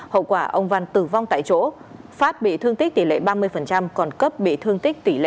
hậu quả ông văn tử vong tại chỗ phát bị thương tích tỷ lệ ba mươi còn cấp bị thương tích tỷ lệ chín mươi